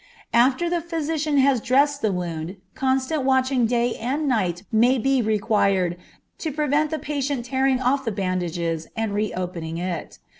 After the physician has dressed the wound, constant watching day and night may be required to prevent the patient tearing off the bandages and reopening it.